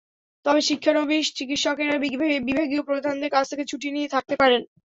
তবে শিক্ষানবিশ চিকিৎসকেরা বিভাগীয় প্রধানদের কাছ থেকে ছুটি নিয়ে থাকতে পারেন।